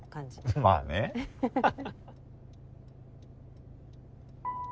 まあねハハハ。